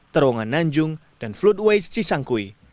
terowongan nanjung dan flood waste cisangkui